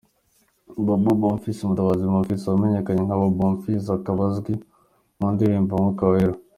Bobo Bonfils Mutabazi Bonfils wamenyekanye nka Bobo Bonfils akaba azwi mu ndirimbo Umwuka Wera.